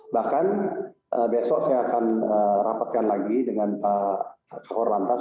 bahkan besok saya akan rapatkan lagi dengan pak korlantas